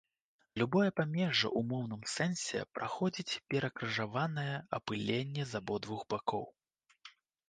Любое памежжа ў моўным сэнсе праходзіць перакрыжаванае апыленне з абодвух бакоў.